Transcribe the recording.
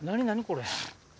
これ。